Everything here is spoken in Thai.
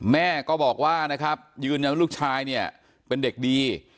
แม่ก็บอกว่านะครับยืนยันว่าลูกชายเนี่ยเป็นเด็กดี